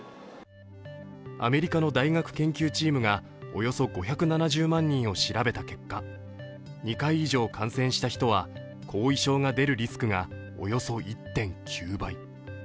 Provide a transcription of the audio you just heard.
アメリカの大学研究チームがおよそ５７０万人を調べた結果、２回以上感染した人は後遺症が出るリスクがおよそ１．９倍。